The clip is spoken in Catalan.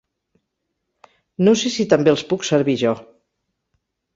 No sé si també els puc servir jo.